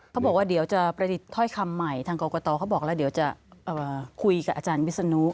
เขาบอกว่าเดี๋ยวจะประดิษฐ์ถ้อยคำใหม่ทางกรกตเขาบอกแล้วเดี๋ยวจะคุยกับอาจารย์วิศนุ